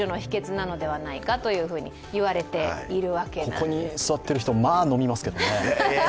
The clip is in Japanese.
ここに座っている人、まあ飲みますけどね。